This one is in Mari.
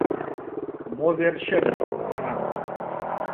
— Мо верчын? — манам.